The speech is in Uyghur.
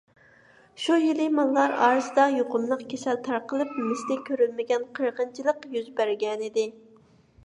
شۇ يىلى ماللار ئارىسىدا يۇقۇملۇق كېسەل تارقىلىپ، مىسلى كۆرۈلمىگەن قىرغىنچىلىق يۈز بەرگەنىدى.